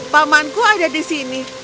pamanku ada di sini